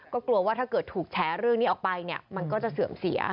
ก็กลัวว่าถ้าเกิดถูกแฉเรื่องนี้ออกไปเนี่ยมันก็จะเสื่อมเสีย